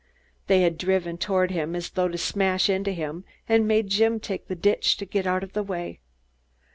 They had driven toward him as though to smash into him and made Jim take the ditch to get out of the way.